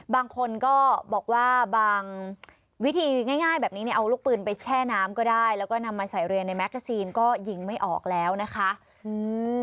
บางคนก็บอกว่าบางวิธีง่ายง่ายแบบนี้เนี่ยเอาลูกปืนไปแช่น้ำก็ได้แล้วก็นำมาใส่เรียนในแกซีนก็ยิงไม่ออกแล้วนะคะอืม